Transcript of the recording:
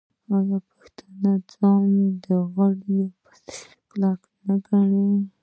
آیا پښتون ځان د غره په څیر کلک نه ګڼي؟